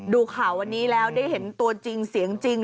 ดูข่าววันนี้แล้วได้เห็นตัวจริงเสียงจริง